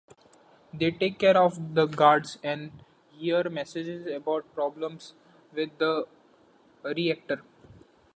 They take care of the guards, and hear messages about problems with the reactor.